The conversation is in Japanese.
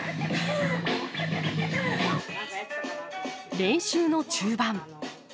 練習の中盤。